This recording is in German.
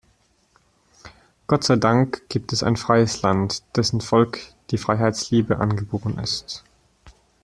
Gott sei Dank gibt es ein freies Land, dessen Volk die Freiheitsliebe angeboren ist.